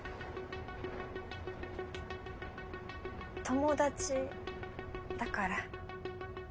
友達だから。